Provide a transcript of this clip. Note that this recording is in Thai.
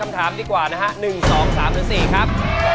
ไม่กินเป็นร้อย